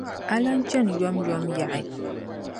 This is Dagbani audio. A lan chani yomyom yaɣi.